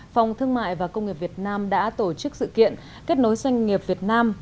phòng thương mại và công nghiệp việt nam đã tổ chức sự kiện kết nối doanh nghiệp việt nam